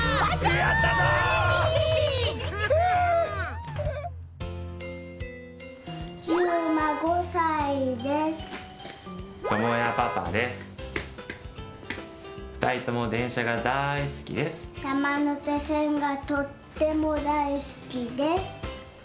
やまのてせんがとってもだいすきです。